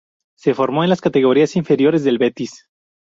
Se formó en las categorías inferiores del Betis.